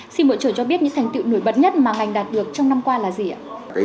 xin bộ trưởng cho biết những thành tựu nổi bật nhất mà ngành đạt được trong năm qua là gì ạ